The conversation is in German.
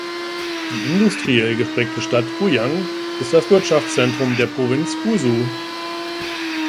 Die industriell geprägte Stadt Guiyang ist das Wirtschaftszentrum der Provinz Guizhou.